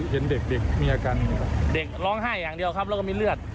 เด็กคุณร้องไห้อย่างเดียวครับแล้วก็มีเลือด